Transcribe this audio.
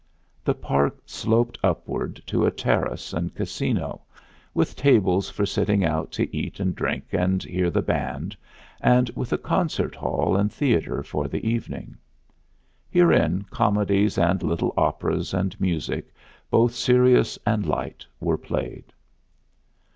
The park sloped upward to a terrace and casino, with tables for sitting out to eat and drink and hear the band, and with a concert hall and theater for the evening. Herein comedies and little operas and music, both serious and light, were played.